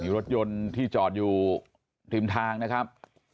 รถยนต์ที่จอดอยู่ริมทางนะครับ